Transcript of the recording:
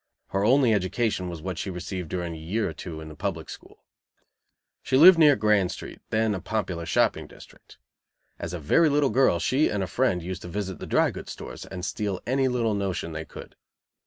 Her only education was what she received during a year or two in the public school. She lived near Grand Street, then a popular shopping district. As a very little girl she and a friend used to visit the drygoods stores and steal any little notion they could.